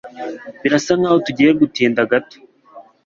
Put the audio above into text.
Birasa nkaho tugiye gutinda gato.